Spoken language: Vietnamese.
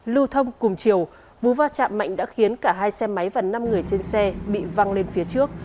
lưu thông cùng chiều vụ va chạm mạnh đã khiến cả hai xe máy và năm người trên xe bị văng lên phía trước